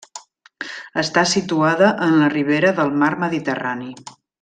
Està situada en la ribera del Mar Mediterrani.